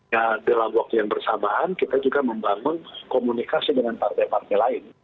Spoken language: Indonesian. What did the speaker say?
ya dalam waktu yang bersamaan kita juga membangun komunikasi dengan partai partai lain